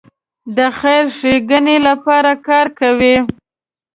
د خیر ښېګڼې لپاره کار کوي.